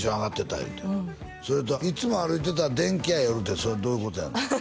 いうてそれといつも歩いてたら電器屋寄るってそれどういうことやの？